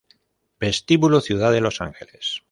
Vestíbulo Ciudad de los Ángeles